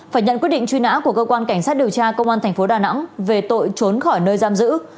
phải nhận quyết định truy nã của cơ quan cảnh sát điều tra công an thành phố đà nẵng về tội trốn khỏi nơi giam giữ